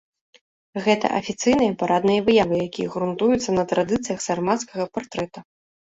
Гэта афіцыйныя парадныя выявы, якія грунтуюцца на традыцыях сармацкага партрэта.